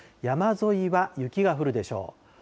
山沿いは雪が降るでしょう。